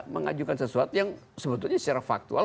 mengajukan sesuatu yang sebetulnya secara faktual